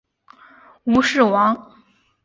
吴氏亡。